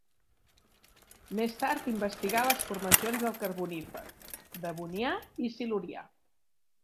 Més tard investigà les formacions del Carbonífer, Devonià i Silurià.